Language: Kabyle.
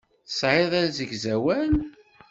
Tesɛiḍ asegzawal?